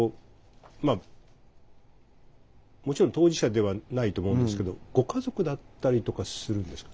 まあもちろん当事者ではないと思うんですけどご家族だったりとかするんですか？